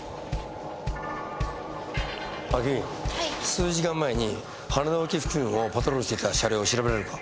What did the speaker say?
数時間前に羽田沖付近をパトロールしていた車両を調べられるか？